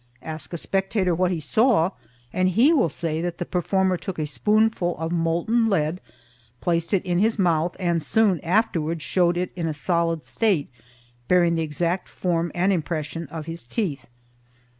Ask a spectator what he saw, and he will say that the performer took a spoonful of molten lead, placed it in his mouth, and soon afterwards showed it in a solid state, bearing the exact form and impression of his teeth.